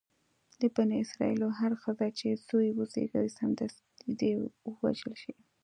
د بني اسرایلو هره ښځه چې زوی وزېږوي سمدستي دې ووژل شي.